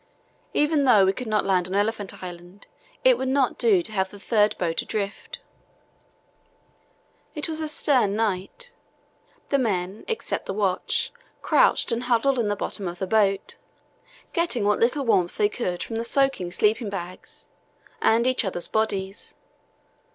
Even though we could not land on Elephant Island, it would not do to have the third boat adrift. It was a stern night. The men, except the watch, crouched and huddled in the bottom of the boat, getting what little warmth they could from the soaking sleeping bags and each other's bodies.